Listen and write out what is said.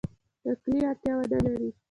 نقلي اړتیا ونه لري.